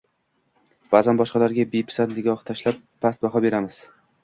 Ba`zan boshqalarga bepisand nigoh tashlab, past baho beramiz